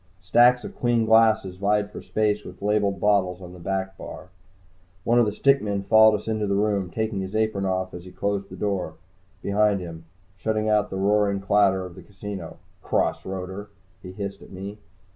Stacks of clean glasses vied for space with labeled bottles on the back bar. One of the stick men followed us into the room, taking his apron off as he closed the door behind him, shutting out the roaring clatter of the casino. "Cross roader!" he hissed at me.